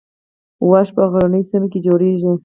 واش په غرنیو سیمو کې جوړیږي